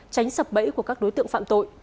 tránh sập bẫy của các đối tượng phạm tội